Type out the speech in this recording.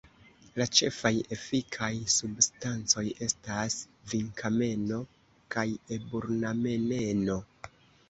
La ĉefaj efikaj substancoj estas vinkameno kaj eburnameneno.